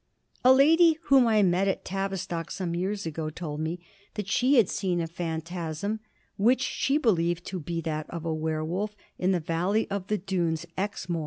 A lady whom I met at Tavistock some years ago told me that she had seen a phantasm, which she believed to be that of a werwolf, in the Valley of the Doones, Exmoor.